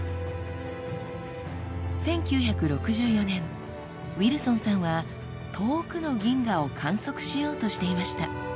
１９６４年ウィルソンさんは遠くの銀河を観測しようとしていました。